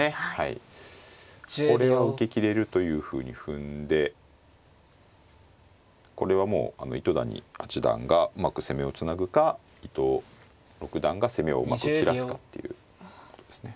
これは受けきれるというふうに踏んでこれはもう糸谷八段がうまく攻めをつなぐか伊藤六段が攻めをうまく切らすかっていうことですね。